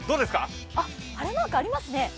晴れマークありますね。